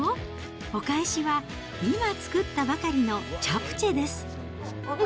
お返しは今作ったばかりの、チャプチェです。